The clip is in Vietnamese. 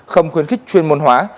không khuyến khích chuyên môn hóa